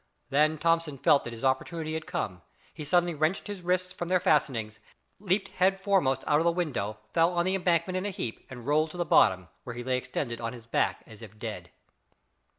Then Thomson felt that his opportunity had come. He suddenly wrenched his wrists from their fastening, leaped head foremost out of the window, fell on the embankment in a heap, and rolled to the bottom, where he lay extended on his back as if dead.